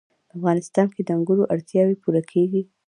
په افغانستان کې د انګورو اړتیاوې پوره کېږي.